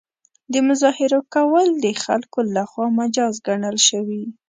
د مظاهرو کول د خلکو له خوا مجاز ګڼل شوي.